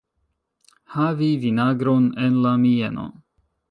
Havi vinagron en la mieno.